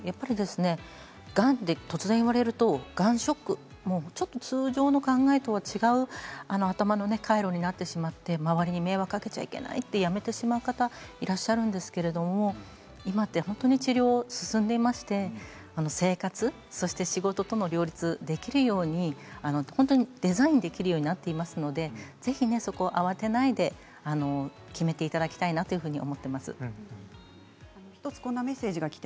がんは突然、言われるとがんショック、通常の考えとは違う頭の回路になってしまって周りに迷惑をかけてはいけないと辞めてしまう方がいらっしゃるんですけれど今は治療が進んでいまして生活、そして仕事も両立ができるように本当にデザインできるようになっていますのでぜひ、そこは慌てないで決めていただきたいなとこんなメッセージです。